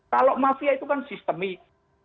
kalau mafia itu kan sistemik